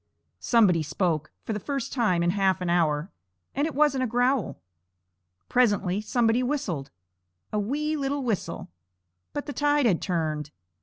Somebody spoke, for the first time in half an hour, and it wasn't a growl. Presently somebody whistled a wee little whistle; but the tide had turned.